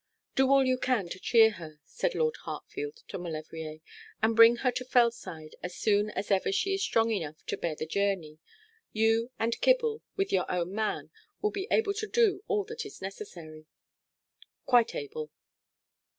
'Do all you can to cheer her,' said Lord Hartfield to Maulevrier, 'and bring her to Fellside as soon as ever she is strong enough to bear the journey. You and Kibble, with your own man, will be able to do all that is necessary.' 'Quite able.'